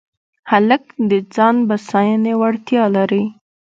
هلک د ځان بساینې وړتیا لري.